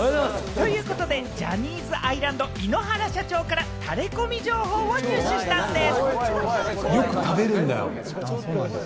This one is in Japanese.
ということで、ジャニーズアイランド社長・井ノ原さんからタレコミ情報を入手したんでぃす！